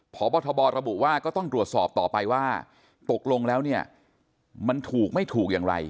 พบทบระบุว่าก็ต้องตรวจสอบต่อไปว่าตกลงแล้วเนี่ยมันถูกไม่ถูกอย่างไร